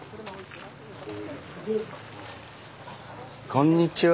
こんにちは。